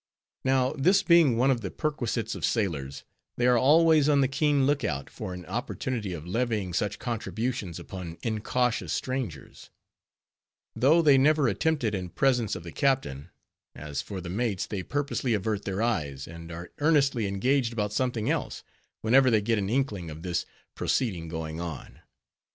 Now this being one of the perquisites of sailors, they are always on the keen look out for an opportunity of levying such contributions upon incautious strangers; though they never attempt it in presence of the captain; as for the mates, they purposely avert their eyes, and are earnestly engaged about something else, whenever they get an inkling of this proceeding going on.